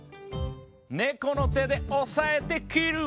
ねこのてでおさえてきる！